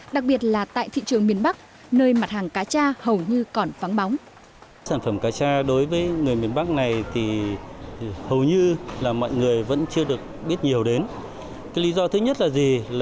đặc biệt là tại thị trường miền bắc nơi mặt hàng cá cha hầu như còn vắng bóng